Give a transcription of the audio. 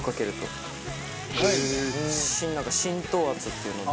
浸透圧っていうので。